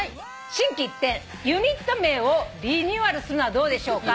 「心機一転ユニット名をリニューアルするのはどうでしょうか？」